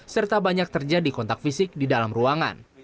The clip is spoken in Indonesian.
serta banyak terjadi kontak fisik di dalam ruangan